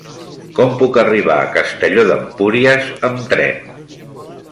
Com puc arribar a Castelló d'Empúries amb tren?